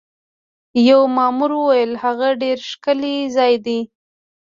یوه مامور وویل: هغه ډېر ښکلی ځای دی.